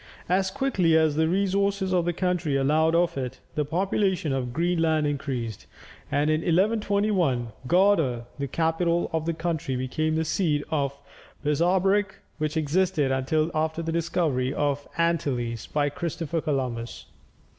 As quickly as the resources of the country allowed of it, the population of Greenland increased, and in 1121, Gardar, the capital of the country, became the seat of a bishopric, which existed until after the discovery of the Antilles by Christopher Columbus.